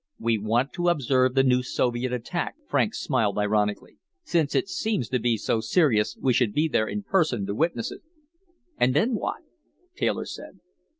"We want to observe the new Soviet attack." Franks smiled ironically. "Since it seems to be so serious, we should be there in person to witness it." "And then what?" Taylor said.